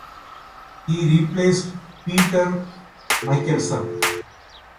He replaced Peeter Michelson.